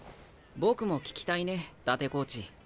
僕も聞きたいね伊達コーチ。